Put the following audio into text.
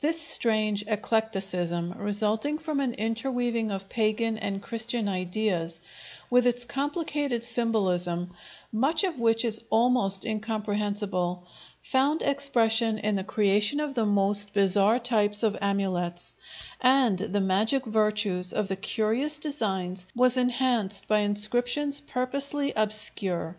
This strange eclecticism, resulting from an interweaving of pagan and Christian ideas, with its complicated symbolism, much of which is almost incomprehensible, found expression in the creation of the most bizarre types of amulets, and the magic virtues of the curious designs was enhanced by inscriptions purposely obscure.